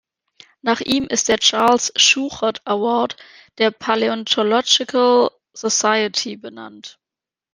Nach ihm ist der Charles Schuchert Award der Paleontological Society benannt.